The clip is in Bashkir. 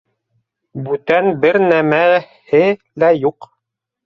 Бүтән бер нәмәһе лә юҡ.